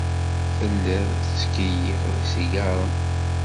Tellid tettkeyyifed isigaṛen.